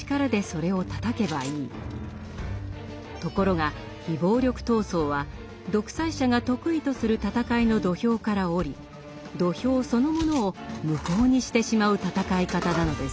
ところが非暴力闘争は独裁者が得意とする戦いの土俵から降り土俵そのものを無効にしてしまう闘い方なのです。